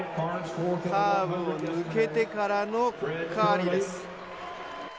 カーブを抜けてからのカーリーです。